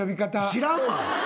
知らんわ。